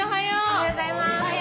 おはようございます。